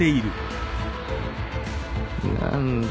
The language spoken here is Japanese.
何だ？